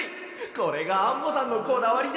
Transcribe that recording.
これがアンモさんのこだわりでしたか。